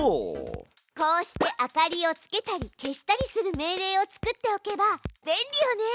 こうして明かりをつけたり消したりする命令を作っておけば便利よね！